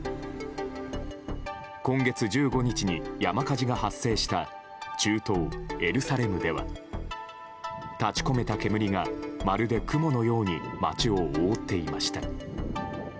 今月１５日に山火事が発生した中東エルサレムでは立ち込めた煙がまるで雲のように街を覆っていました。